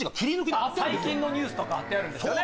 ああ最近のニュースとかはってあるんですよね